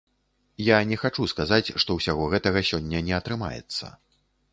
Я не хачу сказаць, што ўсяго гэтага сёння не атрымаецца.